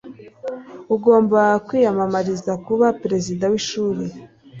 Ugomba kwiyamamariza kuba perezida w'ishuri.